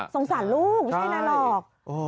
สงสัยลูกใช่น่ะหรอก